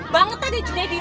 kebangetan dia jenay di toh